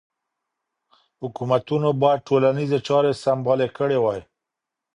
حکومتونو باید ټولنیزې چارې سمبالې کړې وای.